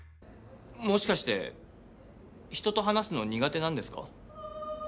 もしかして人と話すの苦手なんですか？